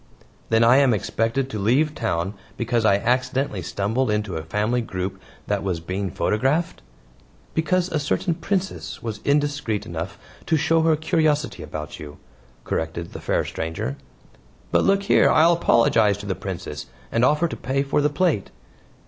"Then I am expected to leave town because I accidentally stumbled into a family group that was being photographed?" "Because a certain Princess was indiscreet enough to show her curiosity about you," corrected the fair stranger. "But look here! I'll apologize to the Princess, and offer to pay for the plate."